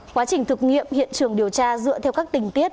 quá trình thực nghiệm hiện trường điều tra dựa theo các tình tiết